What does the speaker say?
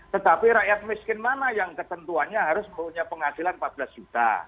tetapi rakyat miskin mana yang ketentuannya harus punya penghasilan empat belas juta